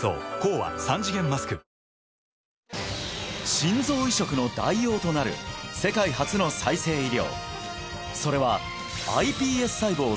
心臓移植の代用となる世界初の再生医療